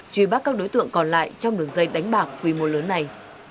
truy bắt các đối tượng còn lại trong đường dây đánh bạc quy mô lớn này